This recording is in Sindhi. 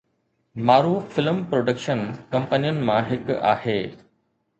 معروف فلم پروڊڪشن ڪمپنين مان هڪ آهي